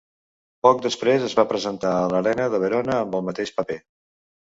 Poc després es va presentar a l'Arena de Verona amb el mateix paper.